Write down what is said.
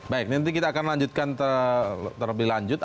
baik nanti kita akan lanjutkan terlebih lanjut